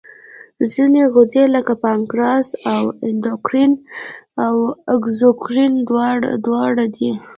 ځینې غدې لکه پانکراس اندوکراین او اګزوکراین دواړه دي.